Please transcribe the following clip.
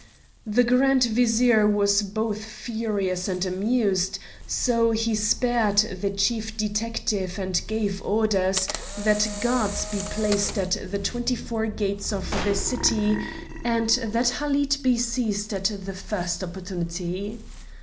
The Grand Vizier was both furious and amused, so he spared the Chief Detective and gave orders that guards be placed at the twenty four gates of the city, and that Halid be seized at the first opportunity.